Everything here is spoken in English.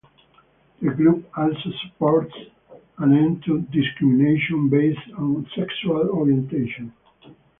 The group also supports an end to discrimination based on sexual orientation.